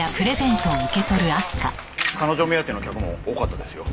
彼女目当ての客も多かったですよ。